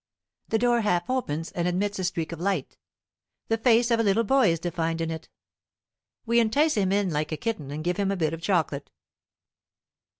The door half opens, and admits a streak of light. The face of a little boy is defined in it. We entice him in like a kitten and give him a bit of chocolate.